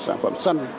sản phẩm xanh